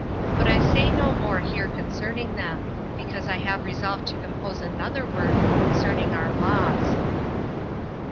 But I say no more here concerning them, because I have resolved to compose another work concerning our laws.